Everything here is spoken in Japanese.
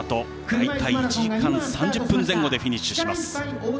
大体１時間３０分前後でフィニッシュします。